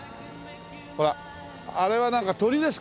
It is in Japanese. ほらあれはなんか鳥ですか？